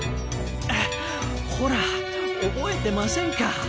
あほら覚えてませんか？